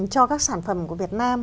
cho các sản phẩm của việt nam